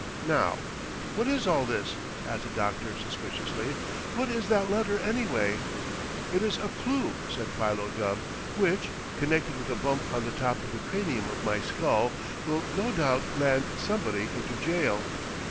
"Now, what is all this?" asked the doctor suspiciously. "What is that letter, anyway?" "It is a clue," said Philo Gubb, "which, connected with the bump on the top of the cranium of my skull, will, no doubt, land somebody into jail.